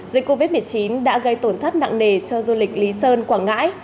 dịch covid một mươi chín đã gây tổn thất nặng nề cho du lịch lý sơn quảng ngãi